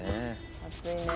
暑いね。